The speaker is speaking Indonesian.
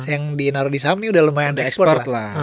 yang di naro di saham ini udah lumayan ekspor lah